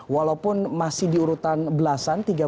walaupun masih di urutan belasan tiga belas